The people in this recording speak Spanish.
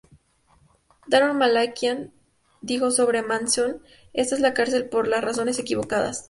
Daron Malakian dijo sobre Manson: "Está en la cárcel por las razones equivocadas.